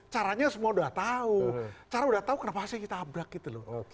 caranya semua udah tahu cara udah tahu kenapa sih ditabrak gitu loh